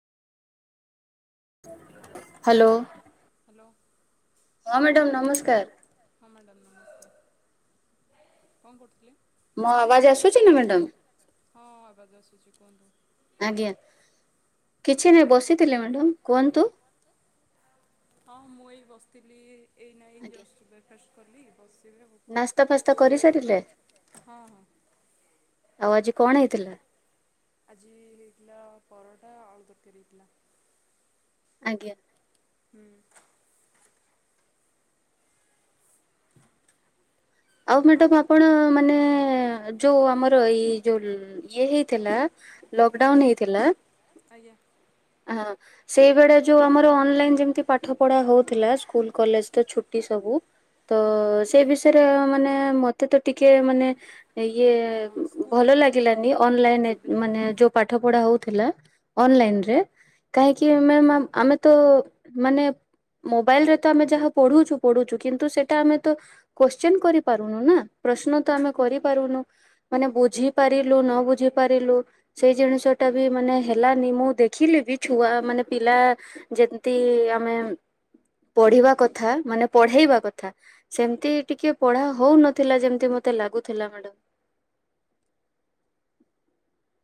Hello hello hello ହଁ madam ନାନସ୍କା ହଁ ମ୍ୟାଡ଼ାମ ନମସ୍କାର କଣ କରୁଥିଲେ? ମୋ ଆୱାଜ ଆସୁଛିନା ମ୍ୟାଡ଼ାମ? ହଁ ଆବାଜ୍ ଆସୁଚି କୁହନ୍ତୁ। ଆଜ୍ଞା କିଛିନାହିଁ ବସିଥିଲି ମ୍ୟାଡ଼ାମ କୁହନ୍ତୁ? ହଁ ମୁଏଇ ବସିଥିଲି ଏଇନା ଏଇଜଷ୍ଟ ବ୍ରେକ୍ଫାଷ୍ଟ କଲି ବସ୍ ଏଇଭଳିଆ ଆଉ କୁହନ୍ତୁ ହଁ ହଁ। ଆଉ ଆଜି କଣ ହେଇଥିଲା? ଆଜି ହେଇଥିଲା ପରଟା ଅଳୁ ତରକାରୀ ହେଇଥିଲା। ଆଜ୍ଞା। ହୁଁ। ଆଉ ମ୍ୟାଡ଼ାମ ଆପଣ ମାନେ ଯୋଉ ଆମର ଏଇ ଯୋଉ ଇଏ ହେଇ ଥିଲା ଲଗଡାଉନ୍ ହେଇଥିଲା ହଁ ସେଇବେଳେ ଯୋଉ ଆମର ଅନଲାଇନ୍ ଯେମିତି ପାଠ ପଢା ହଉଥିଲା ସ୍କୁଲ୍ କଲେଜତ ଛୁଟି ସବୁ ତ ସେଇ ବିଷୟରେ ମାନେ ମତେତ ଟିକେ ମାନେ ଇଏ ଉଁ ଉଁ ଭଲ ଲାଗିଲାନି ଅନଲାଇନ୍ ଏମାନେ ଯୋ ପାଠପଢ଼ା ହଉଥିଲା ଅନଲାଇନରେ କାହିଁକି ମ୍ୟାମ ଆମ ଆମେତ ମାନେ ମୋବାଇଲରେତ ଆମେ ଯାହା ପଢୁଛୁ ପଢୁଛୁ କିନ୍ତୁ ସେଇଟା ଆମେତ କୋଶ୍ଚିନ କରି ପାରୁନୁନା ପ୍ରଶ୍ନତ ଆମେ କରିପାରୁନୁ ମାନେ ବୁଝି ପାରିଲୁନୁ ନବୁଝି ପାରିଲୁ ସେଇ ଜିନିଷଟାବି ମାନେ ହେଲାନି ମୁଁ ଦେଖିଲିବି ଛୁଆ ମାନେ ପିଲା ଯେମିତି ଆମେ ପଢ଼ିବାକଥା ମାନେ ପଢେଇବାକଥା ସେମିତି ଟିକେ ପଢ଼ା ହଉନଥିଲା ଯେମିତିମତେ ଲାଗୁଥିଲା ମ୍ୟାଡ଼ମ।